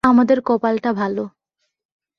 আমাদের কপাল টা ভালো।